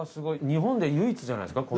日本で唯一じゃないですか？